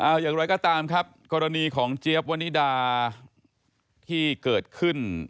อย่างไรก็ตามครับกรณีของเจี๊ยบวนิดาที่เกิดขึ้น